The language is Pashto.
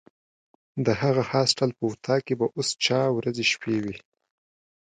د هغه هاسټل په وطاق به اوس چا ورځې شپې وي.